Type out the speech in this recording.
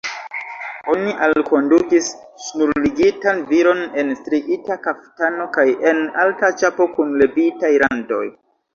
Oni alkondukis ŝnurligitan viron en striita kaftano kaj en alta ĉapo kun levitaj randoj.